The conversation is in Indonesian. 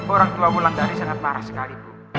orang tua wulandari sangat marah sekali bu